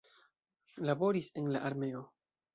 Laboris en la armeo.